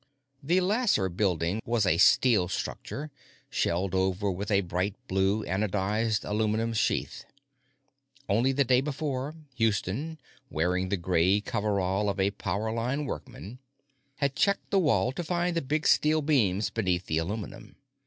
The Lasser Building was a steel structure, shelled over with a bright blue anodized aluminum sheath. Only the day before, Houston, wearing the gray coverall of a power line workman, had checked the wall to find the big steel beams beneath the aluminum.